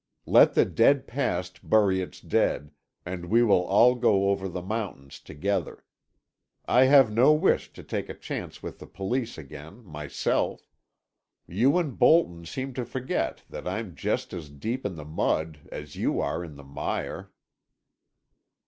Let the dead past bury its dead, and we will all go over the mountains together. I have no wish to take a chance with the Police again, myself. You and Bolton seem to forget that I'm just as deep in the mud as you are in the mire."